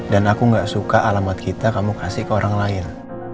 dan aku gak suka alamat kita kamu kasih ke orang lain